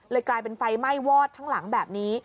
กลายเป็นไฟไหม้วอดทั้งหลังแบบนี้